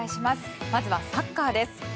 まずはサッカーです。